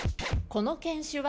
この犬種は？